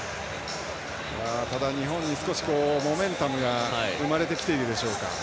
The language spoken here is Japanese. ただ、日本に少しモメンタムが生まれてきてるでしょうか。